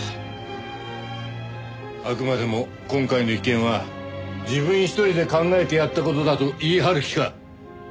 あくまでも今回の一件は自分一人で考えてやった事だと言い張る気か？